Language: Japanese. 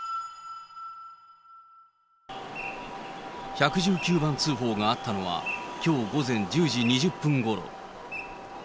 １１９番通報があったのは、きょう午前１０時２０分ごろ。